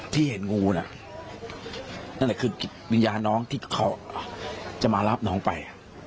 ที่เห็นงูน่ะนั่นแหละคือวิญญาณน้องที่เขาจะมารับน้องไป